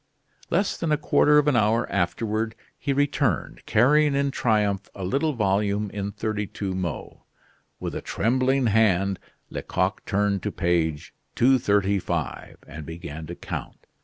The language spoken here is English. Less than a quarter of an hour afterward he returned, carrying in triumph a little volume in 32mo. With a trembling hand Lecoq turned to page 235, and began to count.